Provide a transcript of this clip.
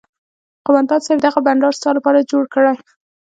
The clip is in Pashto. قومندان صايب دغه بنډار ستا لپاره جوړ کړى.